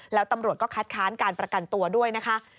แล้วตำรวจก็คัดค้านการประกันตัวด้วยนะคะ